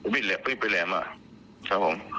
มีดไปแหลมครับผม